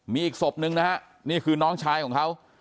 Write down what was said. มีอีกศพนึงนะฮะนี่คือน้องชายของเขา